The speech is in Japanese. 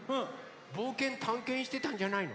ぼうけんたんけんしてたんじゃないの？